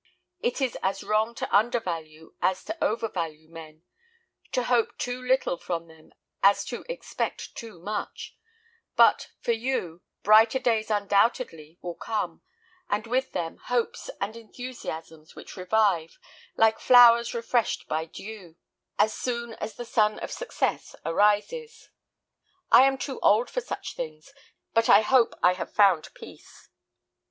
It is as wrong to undervalue as to overvalue men, to hope too little from them as to expect too much; but, for you, brighter days undoubtedly will come, and with them hopes and enthusiasms, which revive, like flowers refreshed by dew, as soon as the sun of success arises. I am too old for such things, but I hope I have found peace."